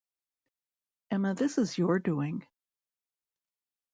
Emma, this is your doing.